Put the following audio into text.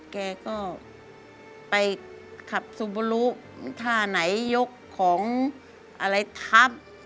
แกก็ไปขับซูโบรุท่าไหนยกของอะไรทับ